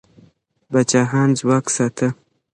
پاچاهان ځواک ساته.